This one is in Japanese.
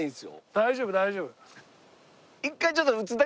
大丈夫大丈夫。